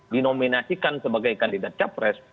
dinominasikan sebagai kandidat capres